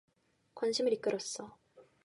관심을 이끌었어.